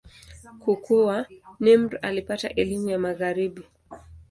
Kukua, Nimr alipata elimu ya Magharibi.